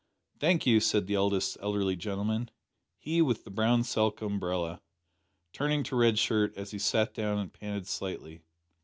"Thank you," said the eldest elderly gentleman he with the brown silk umbrella turning to Red Shirt as he sat down and panted slightly.